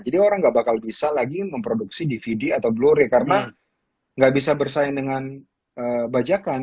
jadi orang gak bakal bisa lagi memproduksi dvd atau blu ray karena gak bisa bersaing dengan bajakan